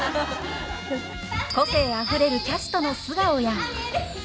個性あふれるキャストの素顔や。